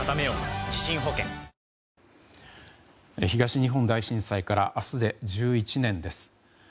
東日本大震災から明日で１１年です。